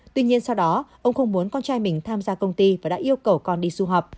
tuy nhiên sau đó ông không muốn con trai mình tham gia công ty và đã yêu cầu con đi du học